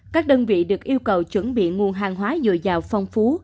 các đơn vị được yêu cầu chuẩn bị nguồn hàng hóa dồi dào phong phú